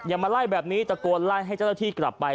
มาไล่แบบนี้ตะโกนไล่ให้เจ้าหน้าที่กลับไป